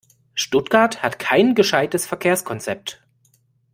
Stuttgart hat kein gescheites Verkehrskonzept.